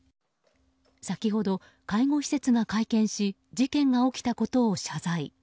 先ほど介護施設が会見し事件が起きたことを謝罪。